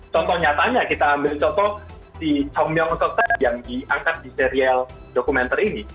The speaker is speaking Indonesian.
contoh nyatanya kita ambil contoh si chong myung sok teng yang diangkat di serial dokumenter ini